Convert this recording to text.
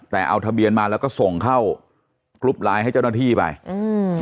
แต่เอาทะเบียนมาแล้วก็ส่งเข้ากรุ๊ปไลน์ให้เจ้าหน้าที่ไปอืม